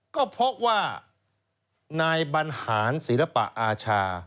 ก็เพราะว่านายบรรหารศิลปะอาชา